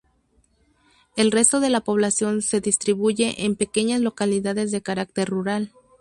El resto de la población se distribuye en pequeñas localidades de carácter rural.